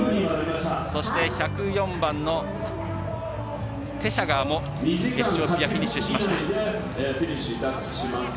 そして１０４番のテシャガーもエチオピアフィニッシュしました。